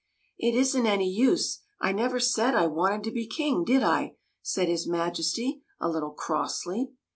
" It is n't any use ; I never said I wanted to be King, did I ?" said his Majesty, a little crossly.